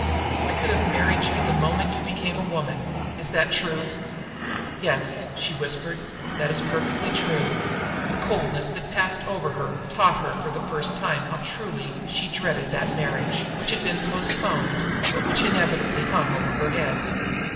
I could have married you the moment you became a woman. Is that true?" "Yes," she whispered, "that is perfectly true." The coldness that passed over her taught her for the first time how truly she dreaded that marriage which had been postponed, but which inevitably hung over her head.